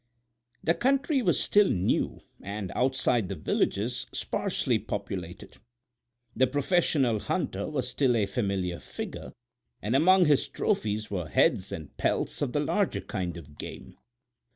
The country was still new and, outside the villages, sparsely populated. The professional hunter was still a familiar figure, and among his trophies were heads and pelts of the larger kinds of game.